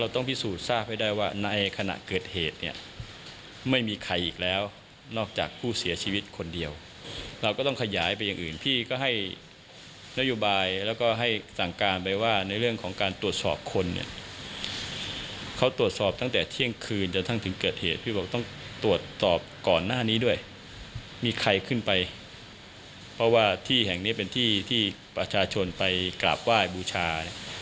ตรวจตอบก่อนหน้านี้ด้วยมีใครขึ้นไปเพราะว่าที่แห่งนี้เป็นที่ที่ประชาชนไปกราบไหว้บูชา